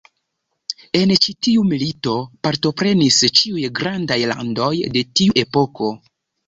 En ĉi tiu milito partoprenis ĉiuj grandaj landoj de tiu epoko.